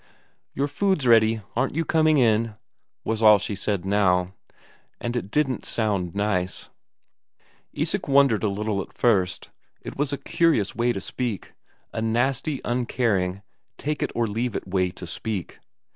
"Your food's ready, aren't you coming in?" was all she said now. And it didn't sound nice. Isak wondered a little at first; it was a curious way to speak; a nasty, uncaring, take it or leave it way to speak.